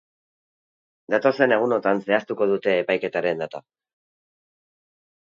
Datozen egunotan zehaztuko dute epaiketaren data.